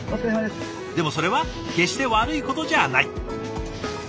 でもそれは決して悪いことじゃない。